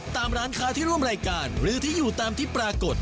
ตามร้านค้าที่ร่วมรายการหรือที่อยู่ตามที่ปรากฏ